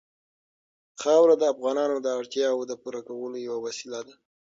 خاوره د افغانانو د اړتیاوو د پوره کولو یوه وسیله ده.